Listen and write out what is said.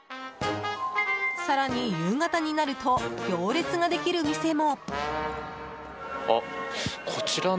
更に夕方になると行列ができる店も。